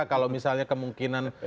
kalau misalnya kemungkinan